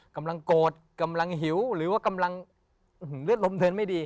กำลังโกรธกำลังหิวหรือว่ากำลังเลือดลมเทินไม่ดี